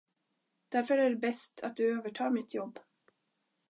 Därför är det bäst att du övertar mitt jobb.